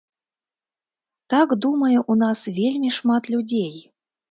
Так думае ў нас вельмі шмат людзей.